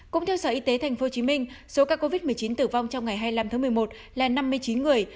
cũng theo sở y tế tp hcm số ca covid một mươi chín tử vong trong ngày hai mươi năm tháng một mươi một là năm mươi chín người